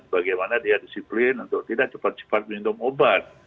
bagaimana dia disiplin untuk tidak cepat cepat minum obat